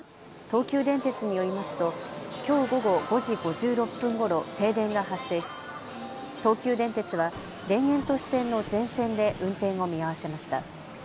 東急電鉄によりますときょう午後５時５６分ごろ停電が発生し東急電鉄は田園都市線の全線で運転を見合わせました。